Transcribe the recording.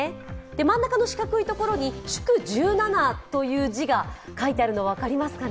真ん中の四角いところに「祝１７」という字が書いてあるの分かりますか。